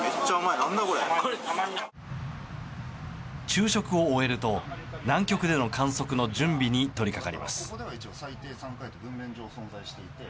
昼食を終えると、南極での観測の準備に取り掛かります。